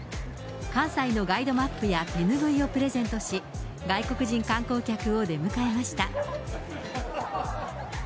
関西のガイドマップや手拭いをプレゼントし、外国人観光客を出迎えました。